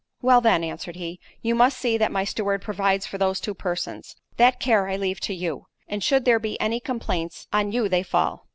"Well then," answered he, "you must see that my steward provides for those two persons. That care I leave to you—and should there be any complaints, on you they fall."